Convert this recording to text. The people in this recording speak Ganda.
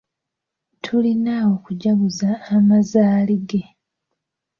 Tulina okujaguza amazaali ge.